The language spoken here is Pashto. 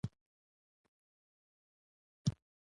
دوي په خبرو خبرو د جومات په لور راوان شول.